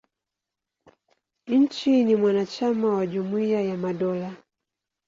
Nchi ni mwanachama wa Jumuia ya Madola.